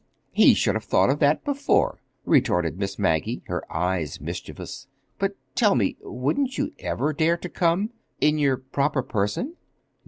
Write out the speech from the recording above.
"He should have thought of that before," retorted Miss Maggie, her eyes mischievous. "But, tell me, wouldn't you ever dare to come—in your proper person?"